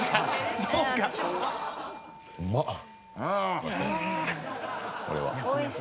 うまっ！